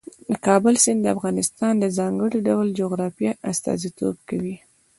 د کابل سیند د افغانستان د ځانګړي ډول جغرافیه استازیتوب کوي.